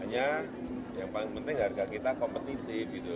hanya yang paling penting harga kita kompetitif gitu